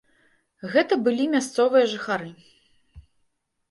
Гэта былі мясцовыя жыхары.